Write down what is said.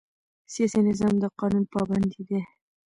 سیاسي نظام د قانون پابند دی